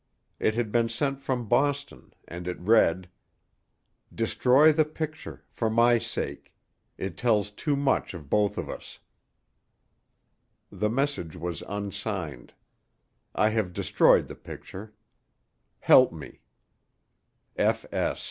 It had been sent from Boston, and it read: "Destroy the picture, for my sake. It tells too much of both of us." The message was unsigned. I have destroyed the picture. Help me!